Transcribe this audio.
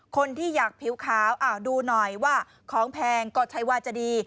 คนที่อยากผิวขาวดูหน่อยว่าของแพงก็ใช้ว่าจะดี